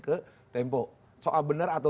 ke tempo soal benar atau